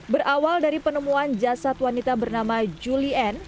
berawal dari penemuan jasad wanita bernama julian